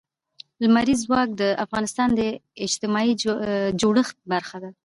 لمریز ځواک د افغانستان د اجتماعي جوړښت برخه ده.